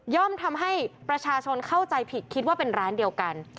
ทำให้ประชาชนเข้าใจผิดคิดว่าเป็นร้านเดียวกัน